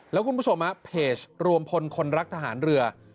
แล้วคุณผู้ชมเพจรวมพลคนรักทหารเรือ